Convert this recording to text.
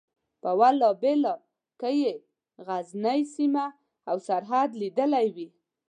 په والله بالله که یې غزنۍ سیمه او سرحد لیدلی وي.